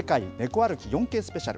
歩き４Ｋスペシャル